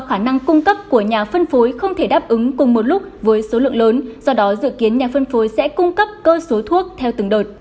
khả năng cung cấp của nhà phân phối không thể đáp ứng cùng một lúc với số lượng lớn do đó dự kiến nhà phân phối sẽ cung cấp cơ số thuốc theo từng đợt